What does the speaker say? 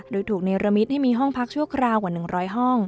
โดยถูกเนรมิตให้มีห้องพักชั่วคราวกว่า๑๐๐ห้อง